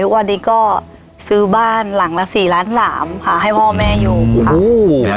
วันนี้ก็ซื้อบ้านหลังละ๔ล้าน๓ค่ะให้พ่อแม่อยู่ค่ะ